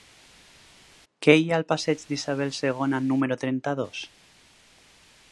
Què hi ha al passeig d'Isabel II número trenta-dos?